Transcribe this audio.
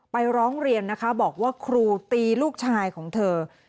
ร้องเรียนนะคะบอกว่าครูตีลูกชายของเธอ